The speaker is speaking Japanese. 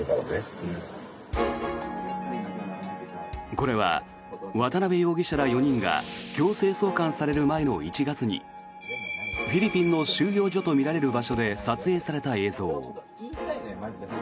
これは、渡邉容疑者ら４人が強制送還される前の１月にフィリピンの収容所とみられる場所で撮影された映像。